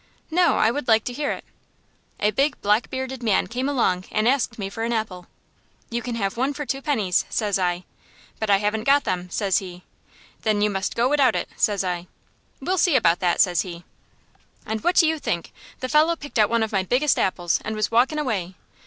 "No; I would like to hear it." "A big, black bearded man came along, and asked me for an apple. "'You can have one for two pennies,' says I. "'But I haven't got them,' says he. "'Then you must go widout it,' says I. "'We'll see about that,' says he. "And what do you think? the fellow picked out one of my biggest apples, and was walkin' away!